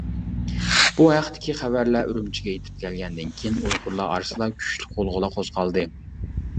بۇ ھەقتىكى خەۋەرلەر ئۈرۈمچىگە يېتىپ كەلگەندىن كېيىن، ئۇيغۇرلار ئارىسىدا كۈچلۈك غۇلغۇلا قوزغالدى.